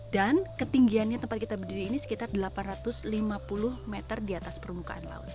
dan ketinggiannya tempat kita berdiri ini sekitar delapan ratus lima puluh meter di atas permukaan laut